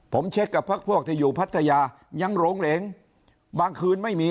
ผมเช็คกับพักพวกที่อยู่พัทยายังหลงเหลงบางคืนไม่มี